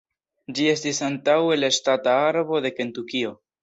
Ĝi estis antaŭe la ŝtata arbo de Kentukio.